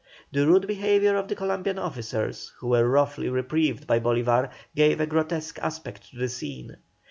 The rude behaviour of the Columbian officers, who were roughly reproved by Bolívar, gave a grotesque aspect to the scene.